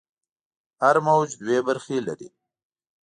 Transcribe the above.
هر موج دوې برخې لري.